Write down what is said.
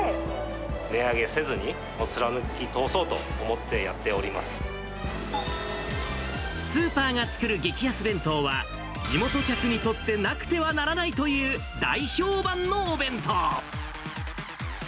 値上げせずにを貫き通そうとスーパーが作る激安弁当は、地元客にとってなくてはならないという大評判のお弁当。